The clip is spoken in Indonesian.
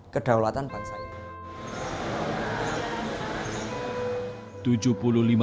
kedaulatan bangsa ini